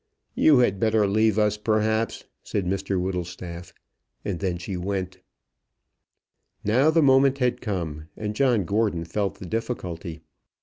"You had better leave us, perhaps," said Mr Whittlestaff. And then she went. Now the moment had come, and John Gordon felt the difficulty.